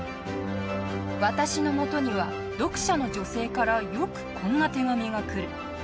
私のもとには、読者の女性からよくこんな手紙が来る。